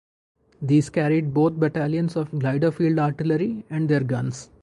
These carried both battalions of glider field artillery and their guns.